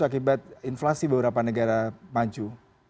akibat inflasi beberapa negara maju